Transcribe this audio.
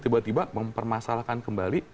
tiba tiba mempermasalahkan kembali